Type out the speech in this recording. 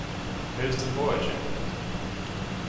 Here's the boy, gentlemen!